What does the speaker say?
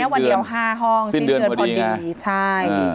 วันเดียว๕ห้องสิ้นเดือนพอดีใช่